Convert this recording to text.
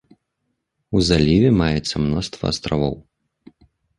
У заліве маецца мноства астравоў.